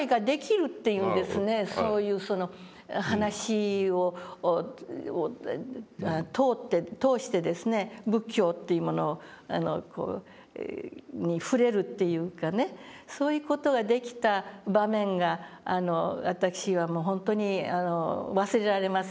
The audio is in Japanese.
そういう話を通して仏教というものに触れるというかねそういう事ができた場面が私はもう本当に忘れられませんですね。